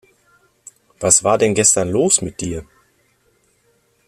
Was war denn gestern los mit dir?